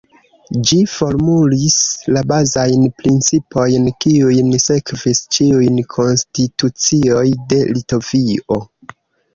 Ĝi formulis la bazajn principojn kiujn sekvis ĉiujn konstitucioj de Litovio.